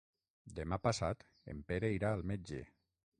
Demà passat en Pere irà al metge.